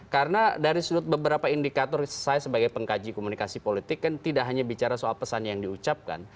karena dari sudut beberapa indikator saya sebagai pengkaji komunikasi politik kan tidak hanya bicara soal pesan yang diucapkan